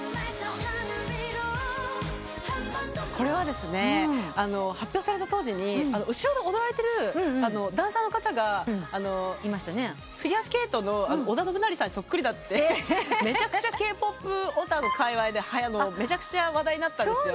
これは発表された当時に後ろで踊られてるダンサーの方がフィギュアスケートの織田信成さんにそっくりだってめちゃくちゃＫ−ＰＯＰオタのかいわいでめちゃくちゃ話題になったんです。